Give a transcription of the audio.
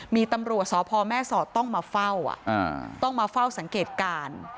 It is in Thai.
มีตำรวจสพแม่สอดต้องมาเฝ้าต้องมาเฝ้าสังเกตการ